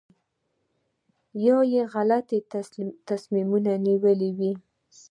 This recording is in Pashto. یا یې غلط تصمیمونه نیولي وي.